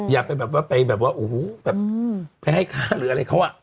อย่าไปแบบว่าโอ้โหแพ้ให้ฆ่าหรืออะไรเขาอะ